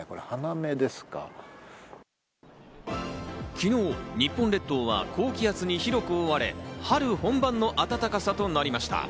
昨日、日本列島は高気圧に広く覆われ、春本番の暖かさとなりました。